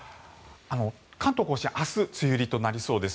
関東・甲信は明日梅雨入りとなりそうです。